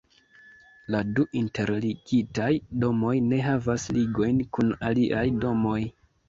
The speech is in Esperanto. La du interligitaj domoj ne havas ligojn kun aliaj domoj.